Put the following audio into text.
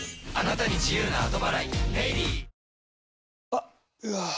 あっ、うわー。